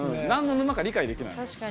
なんの沼か理解できない。